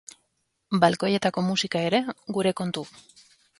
Balkoietako musika ere, gure kontu!